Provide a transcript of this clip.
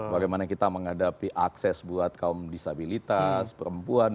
bagaimana kita menghadapi akses buat kaum disabilitas perempuan